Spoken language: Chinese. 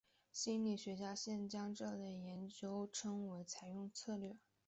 心理学家现在将这类研究称为采用策略。